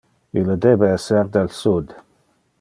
Ille debe ser del Sud.